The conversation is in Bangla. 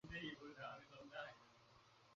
অন্তর্যামীর সামনে সত্যগ্রন্থিতে তো গাঁঠ পড়ে গেছে।